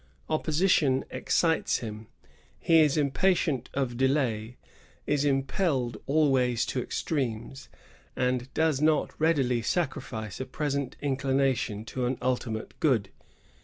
Opposition excites him ; he is impatient of delay, is impelled always to extremes, and does not readily sacrifice a present inclination to an ultimate good.